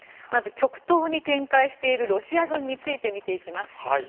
まず極東に展開しているロシア軍について見ていきます。